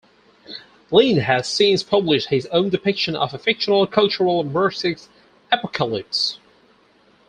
Lind has since published his own depiction of a fictional Cultural Marxist apocalypse.